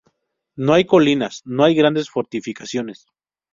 No hay colinas, no hay grandes fortificaciones.